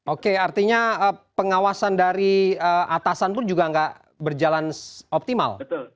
oke artinya pengawasan dari atasan pun juga nggak berjalan optimal